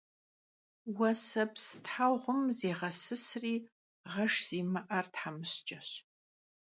Vueseps theğum zêğeşşri, ğeşş zimı'er themışç'eş.